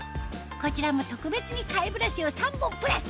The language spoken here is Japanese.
こちらも特別に替えブラシを３本プラス！